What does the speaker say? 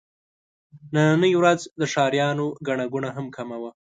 نننۍ ورځ د ښاريانو ګڼه ګوڼه هم کمه وه.